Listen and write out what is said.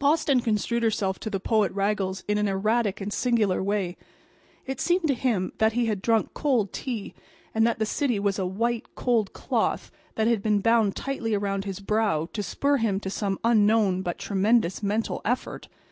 Boston construed herself to the poetic Raggles in an erratic and singular way. It seemed to him that he had drunk cold tea and that the city was a white, cold cloth that had been bound tightly around his brow to spur him to some unknown but tremendous mental effort.